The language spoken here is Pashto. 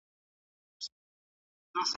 د یوسف عاشقان ډیر دي